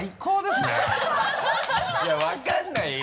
いや分かんないよ